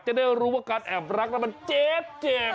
จะได้รู้ว่าการแอบรักเจ็บ